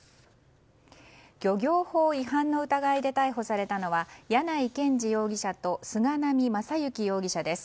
漁業法違反の疑いで逮捕されたのは柳井健治容疑者と菅波正行容疑者です。